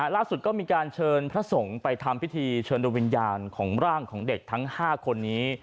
ล่าสุดก็มีการเชิญพระสงฆ์ไปทำพิธีเชิญดูวิญญาณของร่างของเด็กทั้ง๕คนนี้